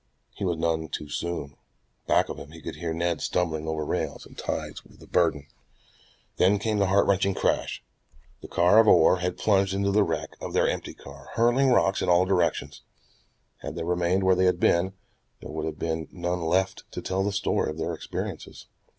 He was none too soon. Back of him he could hear Ned stumbling over rails and ties with his burden. Then came the heart rending crash. The car of ore had plunged into the wreck of their empty car, hurling rocks in all directions. Had they remained where they had been, there would have been none left to tell the story of their experiences.